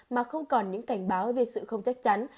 mà không còn những cảnh báo về sự không chắc chắn